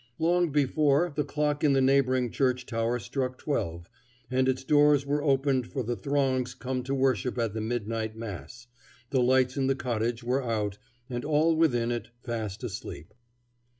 Long before the clock in the neighboring church tower struck twelve, and its doors were opened for the throngs come to worship at the midnight mass, the lights in the cottage were out, and all within it fast asleep.